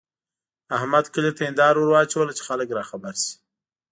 احمد کلي ته هېنداره ور واچوله چې خلګ راخبر شي.